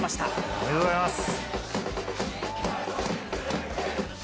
おめでとうございます！